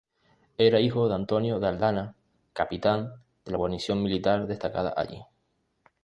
Era hijo de Antonio de Aldana, capitán de la guarnición militar destacada allí.